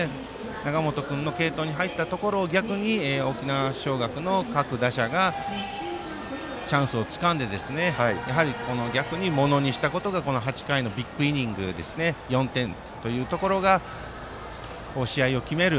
永本君の継投に入ったところを逆に沖縄尚学の各打者がチャンスをつかんで逆にものにしたことがこの８回のビッグイニングの４点というところが試合を決める